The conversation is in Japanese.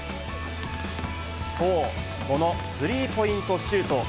そう、このスリーポイントシュート。